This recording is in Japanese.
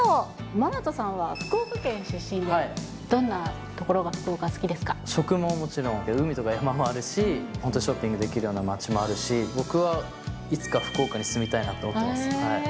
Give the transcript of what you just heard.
マナトさんは福岡県出身で、食ももちろん、海とか山もあるし、本当、ショッピングできるような街もあるし、僕はいつか福岡に住みたいなと思ってます。